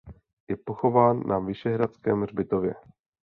Je pochován na Vyšehradském hřbitově.